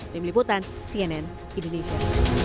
tim liputan cnn indonesia